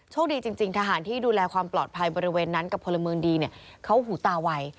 ดีจริงทหารที่ดูแลความปลอดภัยบริเวณนั้นกับพลเมืองดีเนี่ยเขาหูตาไว